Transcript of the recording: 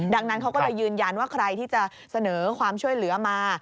ดังนั้นเขาก็เลยยืนยันว่าใครที่จะเสนอความช่วยเหลือมา